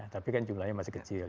tapi kan jumlahnya masih kecil